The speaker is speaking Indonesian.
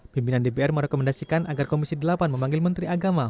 pimpinan dpr merekomendasikan agar komisi delapan memanggil menteri agama